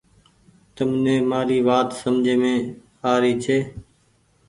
تم ني مآري وآت سمجهي مين آ ري ڇي۔